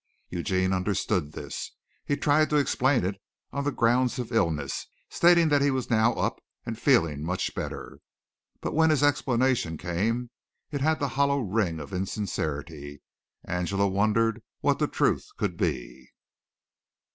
Eugene understood this. He tried to explain it on the grounds of illness, stating that he was now up and feeling much better. But when his explanation came, it had the hollow ring of insincerity. Angela wondered what the truth could be.